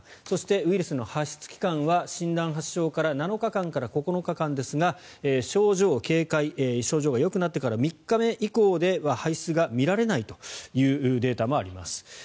そしてウイルスの排出期間は診断発症から７日間から９日間ですが症状軽快、症状がよくなってから３日目以降では排出が見られないというデータもあります。